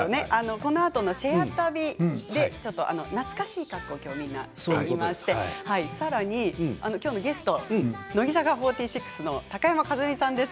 このあとの「シェア旅」で懐かしい格好をみんなしましてさらにきょうのゲスト乃木坂４６の高山一実さんです。